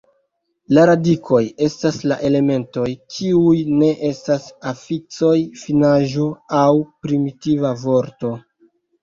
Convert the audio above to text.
La radikoj estas la elementoj kiuj ne estas afiksoj, finaĵo, aŭ primitiva vorto.